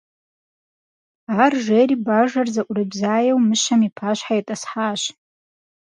Ар жери бажэр зыӀурыбзаеу мыщэм и пащхьэ итӀысхьащ.